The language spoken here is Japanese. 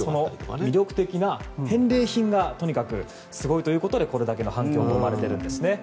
その魅力的な返礼品がとにかくすごいということでこれだけの反響が生まれてるんですね。